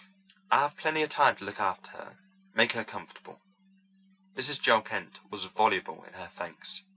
I've plenty of time to look after her and make her comfortable." Mrs. Joel Kent was voluble in her thanks.